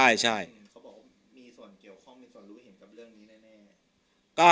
ใช่เขาบอกว่ามีส่วนเกี่ยวข้องมีส่วนรู้เห็นกับเรื่องนี้แน่